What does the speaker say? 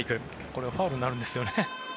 これファウルになるんですよね。